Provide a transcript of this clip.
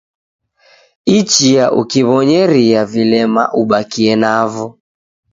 Ichia ukiw'onyeria vilema ubakie navo